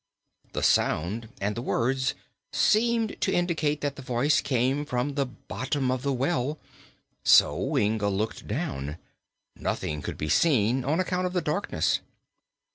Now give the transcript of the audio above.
The sound and the words seemed to indicate that the voice came from the bottom of the well, so Inga looked down. Nothing could be seen, on account of the darkness.